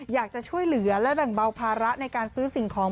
อยากจะช่วยเหลือและแบ่งเบาภาระในการซื้อสิ่งของ